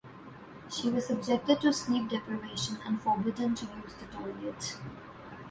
She was subjected to sleep deprivation and forbidden to use the toilet.